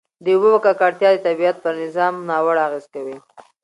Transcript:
د اوبو ککړتیا د طبیعت پر نظام ناوړه اغېز کوي.